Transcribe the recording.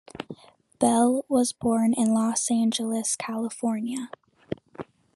Belle was born in Los Angeles, California.